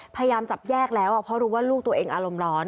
พยายามจับแยกแล้วเพราะรู้ว่าลูกตัวเองอารมณ์ร้อน